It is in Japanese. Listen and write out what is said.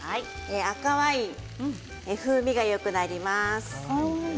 赤ワイン、風味がよくなります。